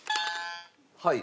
はい。